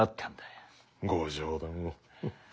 ご冗談を。